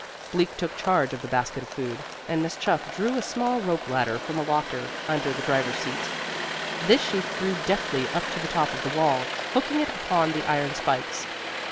Bleak took charge of the basket of food, and Miss Chuff drew a small rope ladder from a locker under the driver's seat. This she threw deftly up to the top of the wall, hooking it upon the iron spikes.